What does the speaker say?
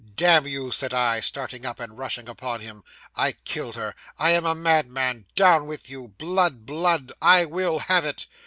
'"Damn you," said I, starting up, and rushing upon him; "I killed her. I am a madman. Down with you. Blood, blood! I will have it!"